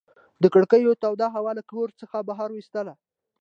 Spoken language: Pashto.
دې کړکیو توده هوا له کور څخه بهر ویستله.